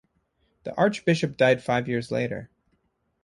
The archbishop died five years later.